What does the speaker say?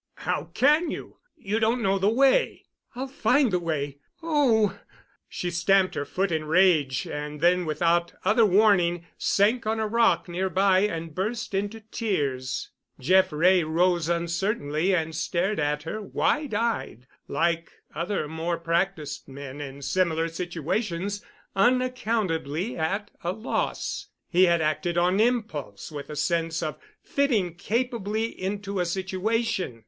"How can you? You don't know the way." "I'll find the way. Oh——" She stamped her foot in rage and then, without other warning, sank on a rock near by and burst into tears. Jeff Wray rose uncertainly and stared at her, wide eyed, like other more practiced men in similar situations, unaccountably at a loss. He had acted on impulse with a sense of fitting capably into a situation.